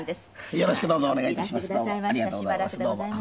よろしくどうぞお願い致します。